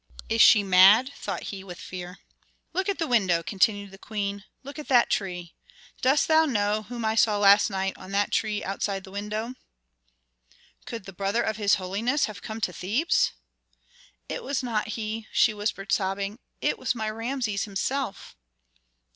"Is she mad?" thought he with fear. "Look at that window," continued the queen; "look at that tree. Dost thou know whom I saw last night on that tree outside the window?" "Could the brother of his holiness have come to Thebes?" "It was not he," whispered she, sobbing. "It was my Rameses himself."